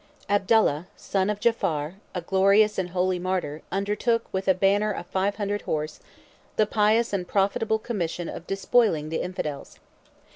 Abdallah, the son of Jaafar, a glorious and holy martyr, undertook, with a banner of five hundred horse, the pious and profitable commission of despoiling the infidels.